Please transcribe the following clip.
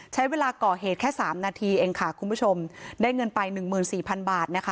ใช้เวลาก่อเหตุแค่สามนาทีเองค่ะคุณผู้ชมได้เงินไปหนึ่งหมื่นสี่พันบาทนะคะ